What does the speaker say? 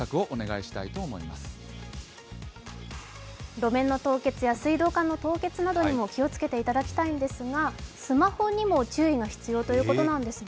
路面の凍結や水道管の凍結にも気をつけていただきたいですがスマホにも注意が必要ということなんですね。